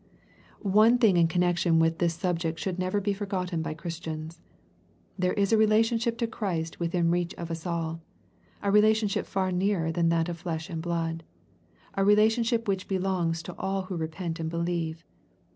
One thing in connexion with this subject should never be forgotten by Christians. There is a relationship to OhriBt within reach of us all, — a relationship far nearer than that of flesh and blood, — a relationship which be longs to all who repent and believe.